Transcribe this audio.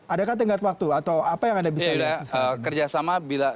adakah tengah waktu atau apa yang anda bisa lihat